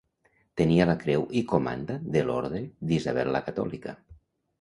Tenia la Creu i Comanda de l'Orde d'Isabel la Catòlica.